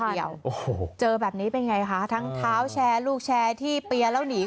เดียวโอ้โหเจอแบบนี้เป็นไงคะทั้งเท้าแชร์ลูกแชร์ที่เปียร์แล้วหนี